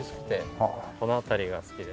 この辺りが好きで。